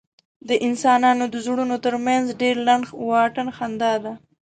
د انسانانو د زړونو تر منځ ډېر لنډ واټن خندا ده.